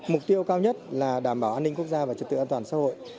mục tiêu cao nhất là đảm bảo an ninh quốc gia và trật tự an toàn xã hội